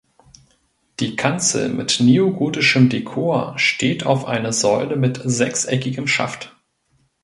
Die Kanzel mit neogotischem Dekor steht auf einer Säule mit sechseckigem Schaft.